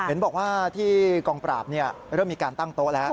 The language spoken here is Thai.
เห็นบอกว่าที่กองปราบเริ่มมีการตั้งโต๊ะแล้ว